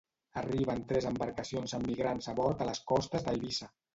Arriben tres embarcacions amb migrants a bord a les costes d'Eivissa.